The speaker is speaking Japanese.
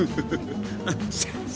あっ先生。